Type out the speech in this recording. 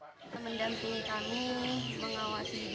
mendampingi kami mengawasi